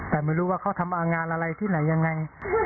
แต่ไม่รู้ว่าเขาทำงานอะไรที่ไหนยังไง